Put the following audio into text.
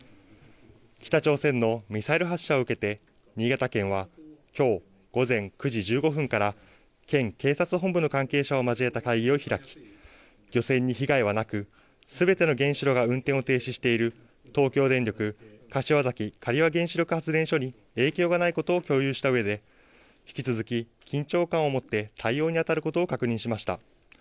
北朝鮮のミサイル発射を受けて新潟県はきょう午前９時１５分から県警察本部の関係者を交えた会議を開き漁船に被害はなくすべての原子炉が運転を停止している東京電力柏崎刈羽原子力発電所に影響がないことを共有したうえで引き続き緊張感を持って対応にあたることを確認しました。